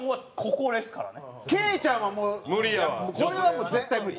これはもう絶対無理。